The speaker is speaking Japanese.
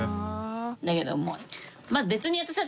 だけどもう。